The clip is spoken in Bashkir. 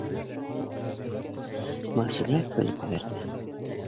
Мәүсилә көлөп ебәрҙе: